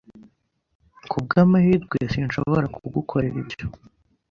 Kubwamahirwe, sinshobora kugukorera ibyo.